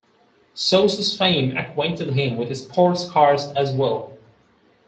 Sosa's fame acquainted him with sports cars as well.